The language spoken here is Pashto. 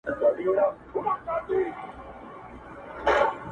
د يوسف عليه السلام قميص په وينو باندي لړلی نه وو.